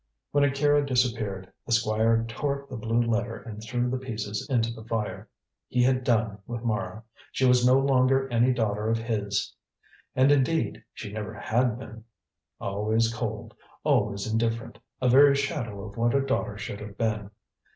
When Akira disappeared, the Squire tore up the blue letter and threw the pieces into the fire. He had done with Mara: she was no longer any daughter of his. And, indeed, she never had been. Always cold: always indifferent: a very shadow of what a daughter should have been.